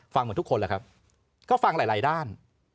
เหมือนทุกคนแหละครับก็ฟังหลายด้าน